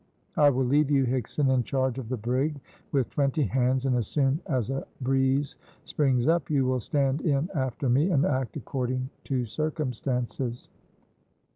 I will leave you, Higson, in charge of the brig with twenty hands, and as soon as a breeze springs up you will stand in after me, and act according to circumstances."